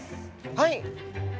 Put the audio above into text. はい。